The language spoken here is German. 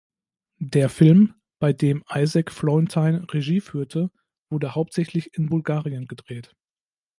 Der Film, bei dem Isaac Florentine Regie führte, wurde hauptsächlich in Bulgarien gedreht.